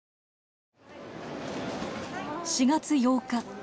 ４月８日。